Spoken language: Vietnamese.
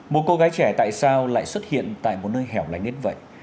một cô gái trẻ tại sao lại xuất hiện tại một nơi hẻo lánh đến vậy